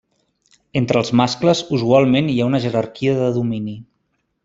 Entre els mascles usualment hi ha una jerarquia de domini.